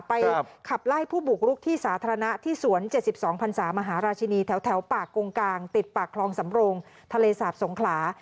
ไปขับไล่ผู้บุกลุกที่สาธารณะที่สวน๗๒พันศามหาราชินีแถวปากกงกลางติดปากคลองสำโรงทะเลสาบสงขลา